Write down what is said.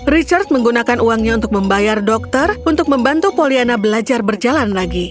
richard menggunakan uangnya untuk membayar dokter untuk membantu poliana belajar berjalan lagi